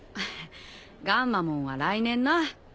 ガンマモンは来年な。